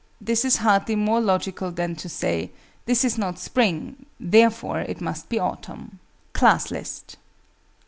This is hardly more logical than to say "This is not Spring: therefore it must be Autumn." CLASS LIST.